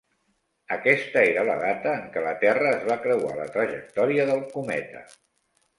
Aquesta era la data en què la Terra es va creuar la trajectòria del cometa.